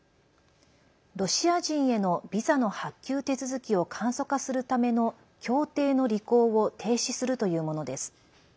ロシア人へのビザの発給手続きを簡素化するための協定の履行を停止するというものです。